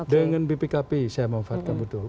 dengan bpkp saya memanfaatkan betul